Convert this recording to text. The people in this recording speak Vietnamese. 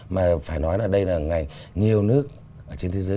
mà phải nói là đây là ngày nhiều nước trên thế giới